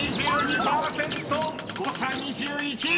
［誤差２１！］